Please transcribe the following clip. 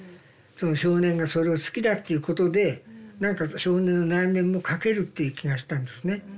その少年がそれを好きだっていうことで何か少年の内面もかけるっていう気がしたんですね。